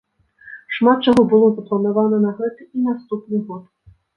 Шмат чаго было запланавана на гэты і на наступны год.